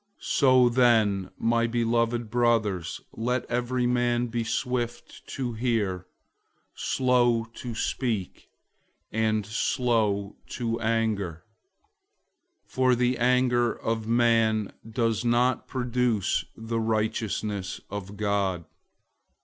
001:019 So, then, my beloved brothers, let every man be swift to hear, slow to speak, and slow to anger; 001:020 for the anger of man doesn't produce the righteousness of God.